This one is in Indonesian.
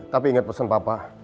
tapi inget pesen papa